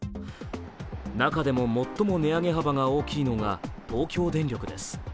中でも最も値上げ幅が大きいのが東京電力です。